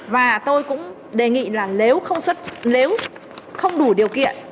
và tôi cũng đề nghị là nếu không đủ điều kiện